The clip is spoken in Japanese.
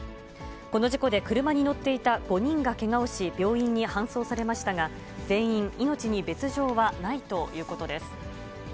この事故で、車に乗っていた５人がけがをし、病院に搬送されましたが、全員命に別状はないということです。